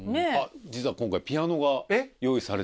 実は今回ピアノが用意されてるそうなんで。